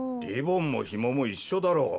リボンもヒモも一緒だろ。